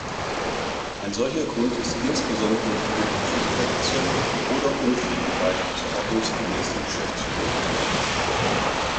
Ein solcher Grund ist insbesondere grobe Pflichtverletzung oder Unfähigkeit zur ordnungsgemäßen Geschäftsführung.